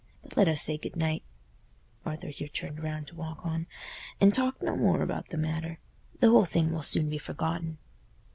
But let us say good night"—Arthur here turned round to walk on—"and talk no more about the matter. The whole thing will soon be forgotten."